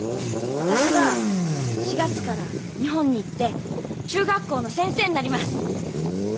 私は４月から日本に行って中学校の先生になります！